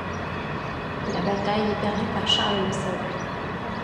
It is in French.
La bataille est perdue par Charles le Simple.